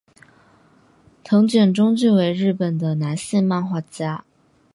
藤卷忠俊为日本的男性漫画家。